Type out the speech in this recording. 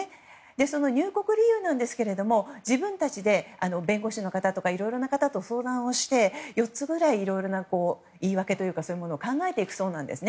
その入国理由ですが自分たちで弁護士だとかいろいろな方と相談して４つくらいいろいろな言い訳というかそういうものを考えるそうです。